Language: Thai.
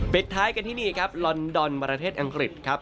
ท้ายกันที่นี่ครับลอนดอนประเทศอังกฤษครับ